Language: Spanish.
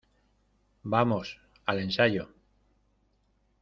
¡ vamos, al ensayo!